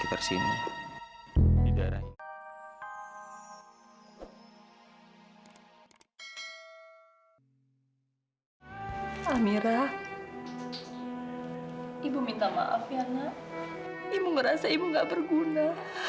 ibu merasa ibu gak berguna